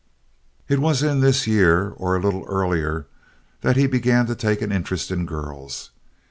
It was in this year, or a little earlier, that he began to take an interest in girls.